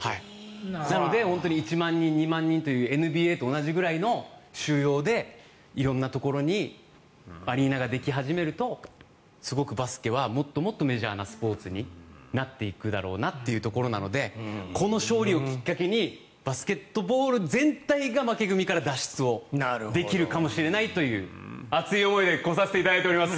なので１万人２万人というＮＢＡと同じぐらいの収容で色んなところにアリーナができ始めるとすごくバスケはもっともっとメジャーなスポーツになっていくだろうなというところなのでこの勝利をきっかけにバスケットボール全体が負け組みから脱出できるかもしれないという熱い思いで来させていただいています。